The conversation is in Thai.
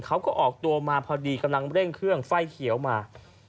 เขาก็ออกตัวมาพอดีกำลังเร่งเครื่องไฟเขียวมา